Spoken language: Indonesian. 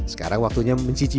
sekarang waktunya menciptakan